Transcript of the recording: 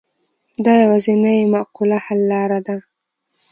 دا یوازینۍ معقوله حل لاره ده.